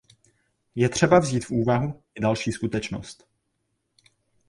Je třeba vzít v úvahu i další skutečnost.